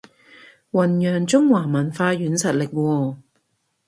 弘揚中華文化軟實力喎